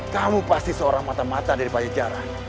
kamu pasti seorang mata mata dari paya jaran